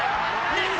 日本！